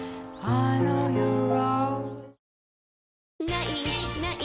「ない！ない！